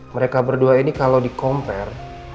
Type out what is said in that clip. mereka berdua ini kalau dikompilasi